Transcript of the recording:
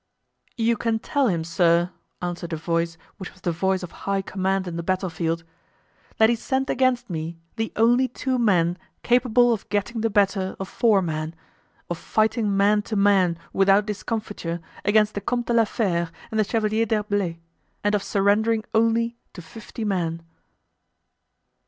"You can tell him, sir," answered a voice which was the voice of high command in the battle field, "that he sent against me the only two men capable of getting the better of four men; of fighting man to man, without discomfiture, against the Comte de la Fere and the Chevalier d'Herblay, and of surrendering only to fifty men!